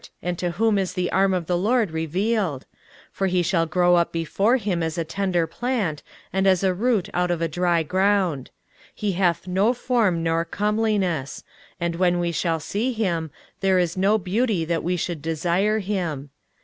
and to whom is the arm of the LORD revealed? 23:053:002 For he shall grow up before him as a tender plant, and as a root out of a dry ground: he hath no form nor comeliness; and when we shall see him, there is no beauty that we should desire him.